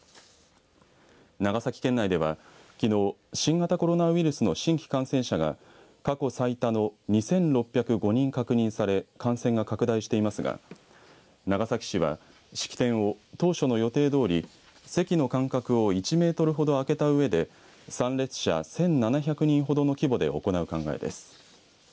長崎県内では、きのう新型コロナウイルスの新規感染者が過去最多の２６０５人確認され感染が拡大していますが長崎市は、式典を当初の予定どおり席の間隔を１メートルほど空けたうえで参列者１７００人ほどの規模で行う考えです。